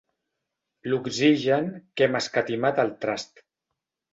L'oxigen que hem escatimat al trast.